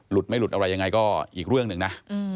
ไม่หลุดอะไรยังไงก็อีกเรื่องหนึ่งนะ